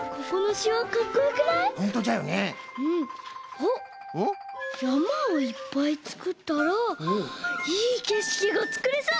おっやまをいっぱいつくったらいいけしきがつくれそう！